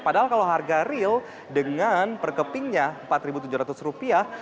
padahal kalau harga real dengan perkepingnya empat tujuh ratus rupiah